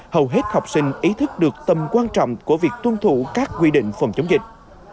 hầu hết học sinh ý thức được tầm quan trọng của việc tuân thủ các quy định phòng chống dịch